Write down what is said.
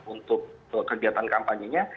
untuk kegiatan kampanye nya